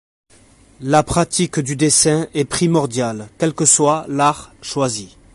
La pratique du dessin est primordiale quel que soit l'art choisi.